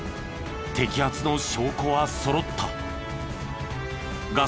摘発の証拠はそろった。